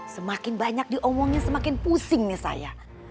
semakin banyak diomongin semakin pusing nih saya